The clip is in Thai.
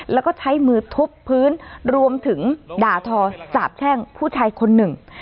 แล้วก็ใช้มือทุบพื้นรวมถึงด่าทอสาบแช่งผู้ชายคนหนึ่ง